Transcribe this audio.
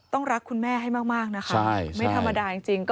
รักคุณแม่ให้มากนะคะไม่ธรรมดาจริง